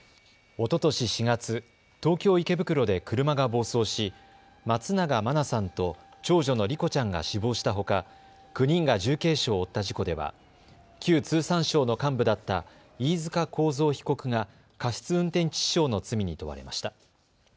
おととし４月、東京池袋で車が暴走し松永真菜さんと長女の莉子ちゃんが死亡したほか９人が重軽傷を負った事故では旧通産省の幹部だった飯塚幸三被告が過失運転致死傷の罪に問われました。